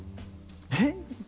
えっ？